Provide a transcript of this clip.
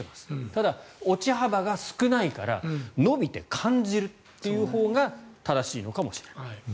ただ、落ち幅が少ないから伸びて感じるというほうが正しいのかもしれない。